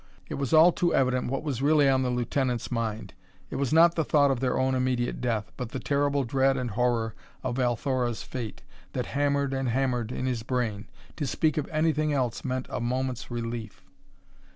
It was all too evident what was really on the lieutenant's mind. It was not the thought of their own immediate death, but the terrible dread and horror of Althora's fate, that hammered and hammered in his brain. To speak of anything else meant a moment's relief.